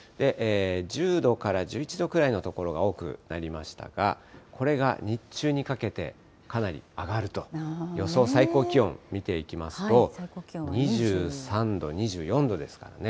１０度から１１度くらいの所が所が多くなりましたが、これが日中にかけてかなり上がると、予想最高気温見ていきますと、２３度、２４度ですかね。